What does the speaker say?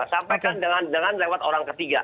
sampaikan dengan lewat orang ketiga